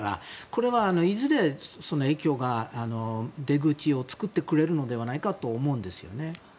これはいずれその影響が出口を作ってくれるのではないかと思うんですよね。